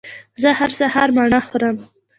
زه هر سهار مڼه خورم